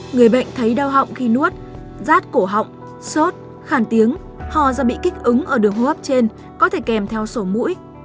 người bệnh thấy đau họng khi nuốt rát cổ họng sốt khản tiếng ho ra bị kích ứng ở đường hô hấp trên có thể kèm theo sổ mũi